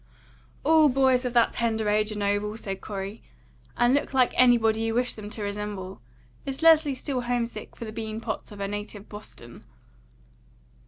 "All boys of that tender age are noble," said Corey, "and look like anybody you wish them to resemble. Is Leslie still home sick for the bean pots of her native Boston?"